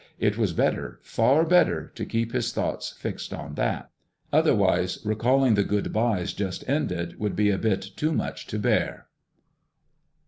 It was better, far better, to keep his thoughts fixed on that. Otherwise, recalling the good bys just ended would be a bit too much to bear.